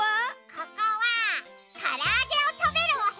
ここはからあげをたべるおへやよ。